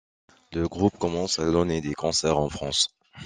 Le groupe commence à donner des concerts en France.